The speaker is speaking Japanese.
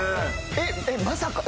えっまさか？